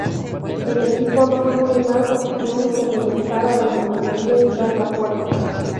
El equipo no tiene más opción que regresar a donde debería estar la Puerta.